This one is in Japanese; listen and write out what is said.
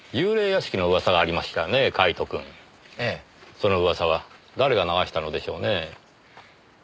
その噂は誰が流したのでしょうねぇ？